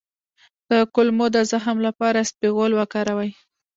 د کولمو د زخم لپاره اسپغول وکاروئ